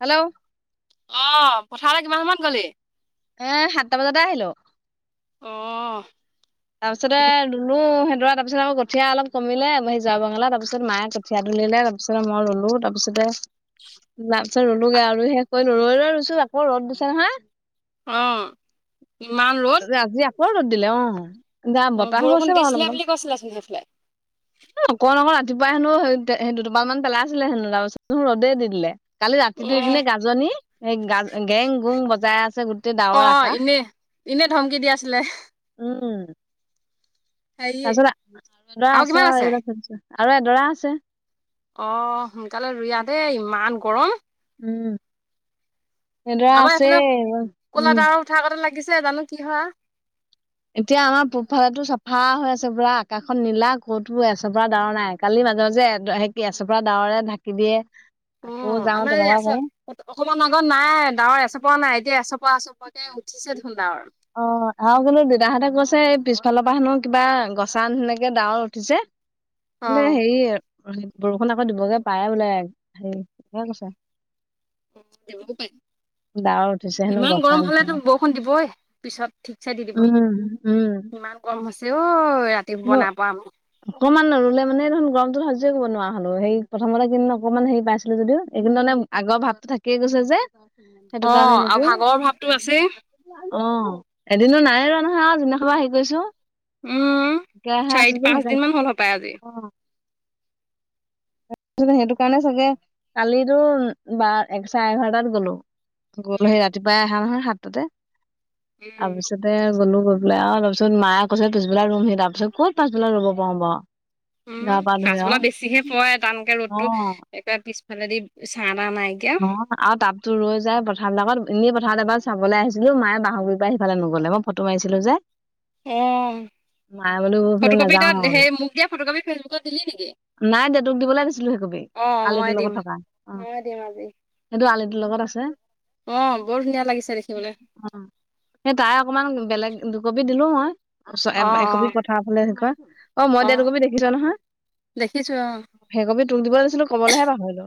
Hello. অ' পথাৰলৈ কিমান সময়ত গলি? এ, সাতটা বজাতে আহিলোঁ। অ'। তাৰপিছতে ইমান ৰুলো সেইদৰা তাত। তাৰপিছত আৰু কঠীয়া অলপ কমিলে যোৱা বঙলাত পিছত মায়ে কঠীয়া তুলিলে তাৰপিত মই ৰুলো তাৰপিছতে তাৰপিছত ৰুলোগে আৰু শেষ কৰি ৰৈ ৰৈ ৰুইছোঁ আকৌ ৰ'দ দিছে নহয়। অ' ইমান ৰ আজি আকৌ ৰ'দ দিলে অ'। এতিয়া অ', বতাহো বৰষুণ আছে বাৰু দিছিলে অলপ বুলি অলপ। কৈছিলাচোন সেইফালে। অকন অকন ৰাতিপুৱাই হেনো সেই দুটোপাল মান পেলাই আছিলে হেনো তাৰপাছত ৰ'দে দি দিলে। কালি ৰাতিটো অ', ইপিনে গাজনি, এই গ-গেং গুং বজাই আছে, গোটেই ডাৱৰ আকাশ। এনেই ধমকি দি আছিলে। উম। হেৰি তাৰপিছত এডৰা আছে আৰু এডৰা থৈ দিছোঁ আৰু এডৰা আছে। অ' সোনকালে ৰুই আহ দেই, ইমান গৰম। উম। এডৰা আছেই, উম। কথা [unintelligible] লাগিছে জানো কি হয়। এতিয়া আমাৰ পূবফালেটো চাফা হৈ আছে, পুৰা আকাশখন নীলা, ক'তো আছে পুৰা ডাৱৰ নাই। কালি মাজে মাজে এ, সেই কেছৰ পৰা ডাৱৰে ঢাকি দিয়ে। আকৌ অ' যাওঁ আমাৰ এই তেনেকুৱা এছ কৰো অসমৰ নগত নাই, ডাৱৰ এচপাওঁ নাই, এতিয়া এচপা এচপাকে উঠিছে দেখোন ডাৱৰ। অ' আৰু কিন্তু দেউতাহঁতে কৈছে এই পিছফালৰ পৰা হেনো কিবা গছা সেনেকে ডাৱৰ উঠিছে। বোলে অ', হেৰি বৰষুণ আকৌ দিবগে পায় বোলে হেৰি কৈছে। দিবও পাৰে ডাৱৰ উঠিছে হেনো ইমান গছা গৰম হ'লেতো নিচিনা। বৰষুণ দিবই পিছত। ঠিকছে দি দিব। উম উম। ইমান গৰম হৈছে অ ৰাতি শুব নাইপাৰা আক। অকণমান ৰুলে মানে দেখোন গৰমটো কৰিব নোৱাৰা হলো সেই প্ৰথমতে কিন্তু অকণমান হেৰি পাইছিলো যদিও এদিন মানে আগৰ ভাৱটো থাকিয়ে গৈছে যে অ সেইটো কাৰণে আৰু নেকি। ভাগৰ ভাৱটো আছেই অঁহ এদিনো নাই ৰোৱা নহয় আৰু যোনদিনাখনৰ পৰা হেৰি কৰিছো। উম, চাৰি পাঁচদিনমান হ'ল হ'পায় আজি। অহ ত সেইটো কাৰণে চাগে কালিতো বাৰ চাৰে এঘাৰটাত গ'লো। গল সেই ৰাতিপুৱাই আহা নহয় সাতটাতে, উম তাৰপিছ তে গলো গৈ পেলাই আৰু অঁ তাৰপিছত মায়ে কৈছে পিছবেলা ৰুমহি তাৰপিছত ক'ত পাছবেলা ৰুব পাও বাৰু। উম গা পা ধুই পাছবেলা আৰু বেছিহে পৰে তানকে ৰ'দতো অ একে পিছফালেদি চাঁ তাঁ নাই। অহ আৰু তাবতো ৰৈ যায় পথাৰ বিলাকত এনেই পথাৰত এবাৰ চাবলৈ আহিছিলো মায়ে বাহৰ বাহনিৰ পৰা সিফালে নগলে। মই ফটো মাৰিছিলো যে। উম, মায়ে বোলো এইফালে ফটোকপি নাযাও তোই আৰু সেই মোক দিয়া ফটোকাপি ফেচবুকত দিলি নেকি? নাই দিয়া তোক দিবলৈ দিছিলো সেইকপি আলিটোৰ লগত থকা। আহ দিম আজি। সেইটো আলিটোৰ লগত আছে। অঁহ বৰ ধুনীয়া লাগিছে দেখিবলৈ। অ সেই তাই অকমান বেলেগ দুকপি দিলো মই অ তাৰপিছত অ একপি পঠাই তাৰফালে কি কয় অ মই দিয়া দুকপি দেখিছ নহয়? দেখিছো অ সেই কপি তোক দিব লৈছিলো কবলৈহে পাহৰিলো।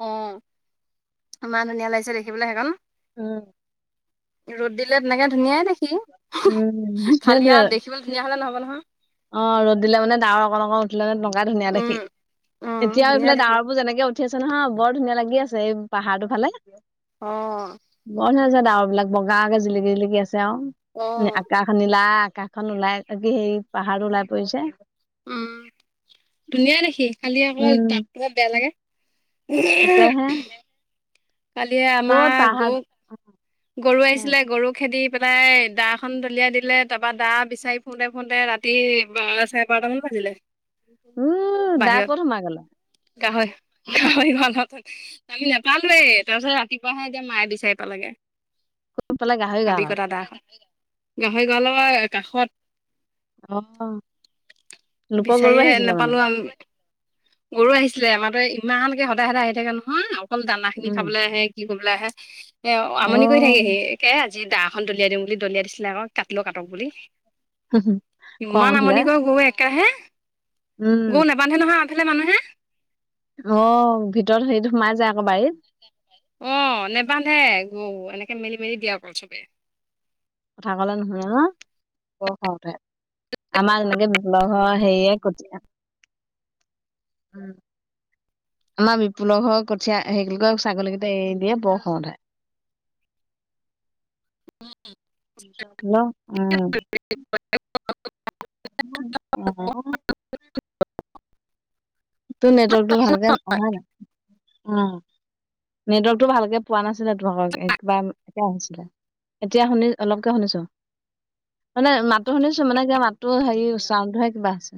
অহ। ইমান ধুনীয়া লাগিছে দেখিবলৈ সেইকন। উম। ৰ'দ দিলে তেনেকে ধুনীয়াই দেখি, উম খালি আৰু দেখিবলৈ ধুনীয়া হলে নহব নহয়। অঁ ৰ'দ দিলে মানে ডাৱৰ অকন অকন উঠিলে মানে লগাই ধুনীয়া উম, দেখি, উম, এতিয়াও ধুনীয়া এইফালে দেখি ডাৱৰ বোৰ যেনেকে উ ঠি আছে নহয় বৰ ধুনীয়া লাগি আছে, এই পাহাৰটো ফালে। অহ বৰ ধুনীয়া লাগিছে ডাৱৰ বিলাক বগাকে জিলিকি জিলিকি আছে অ, আৰু আকাশ নীলা আকাশখন ওলাই সেই পাহাৰটো ওলাই পৰিছে। উম। ধুনীয়া দেখি খালি আকৌ উম দাকটোহে বেয়া লাগে। তাকেহে কালি ক'ত আমাৰ গো পাহাৰ গৰু আহিছিলে গৰু খেদি পেলাই দা খন দলিয়াই দিলে তাৰপৰা দা বিচাৰি ফুৰতে ফুৰতে ৰাতি বাৰটামান বাজিলে উম দাই বাহিৰত। ক'ত সোমাই গ'লে গাহৰি গাহৰি গঁৰালত। কালি নেপালোৱেই তাৰপিছত ৰাতিপুৱাহে এতিয়া মায়ে বিচাৰি পালেগে। ক'ত পালে গাহৰি হাবি গঁৰালত কত দা খন। গাহৰি গঁৰাল কাষত। অ'। লোকৰ গৰু বিচাৰিয়ে আহিছিলে মানে নেপালো আ গৰু আহিছিলে আমাৰ তাত ইমানকে সদায় সদায় আহি থাকে নহয় অকল দানা খিনি উম খাবলৈ আহে। কি কৰিবলৈ আহে এ আমনি কৰি থাকেহি অ'। তাকে আজি দাখন দলিয়াই দিম বুলি দলিয়াই দিছিলে আক'। কাটিলেও কাটক বুলি, ‌ খং ইমান উঠিলে আমনি কৰে গৰু একেৰাহে। উম গৰু নেবান্ধে নহয় আগফালে মানুহে। ল, ভিতৰত হেৰিত সোমাই যায় আকৌ বাৰীত। অ নেবান্ধে গৰু এনেকে মেলি - মেলি দিয়া অকল চবে। কথা কলে নুশুনিলে, বৰ খং উঠে। আমাৰ তেনেকে বিপুলৰ ঘৰৰ হেৰিয়ে কট উম। আমাৰ বিপুলৰ ঘৰৰ কঠীয়া সেইলোকৰ ছাগলীকেইটা এৰি দিয়ে বৰ খং উঠে হয়। [inaudible] হেল্ল উম। উম। তোৰ নেটৱৰ্কটো ভালকে অহাই নাই, উম নেটৱৰ্কটো ভালকে পোৱা নাছিলে তোমালোকৰ এ কিবা একে আহিছিলে এতিয়া শুনি অলপকে শুনিছো। মানে মাতটো শুনিছো মানে কিবা মাতটো হেৰি চাউণ্ডটোহে কিবা আছে।